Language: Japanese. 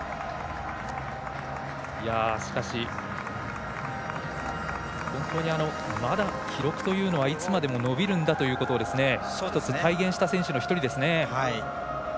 しかし、本当にまだ記録というのはいつまでも伸びるんだということを１つ体現した選手の１人ですね。